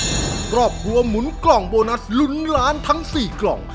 ครอบครัวหมุนกล่องโบนัสลุ้นล้านทั้งสี่กล่อง